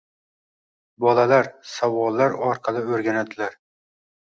Bolalar savollar orqali o‘rganadilar